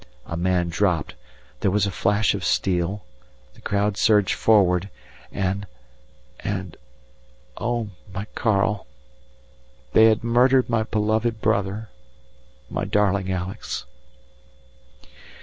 A man dropped, there was a flash of steel, the crowd surged forward, and and, oh! my Karl, they had murdered my beloved brother, my darling Alex.